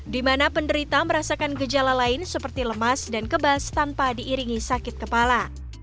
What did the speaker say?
di mana penderita merasakan gejala lain seperti lemas dan kebas tanpa diiringi sakit kepala